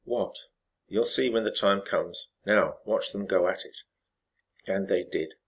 "What?" "You'll see when the time comes. Now watch them go at it." And they did.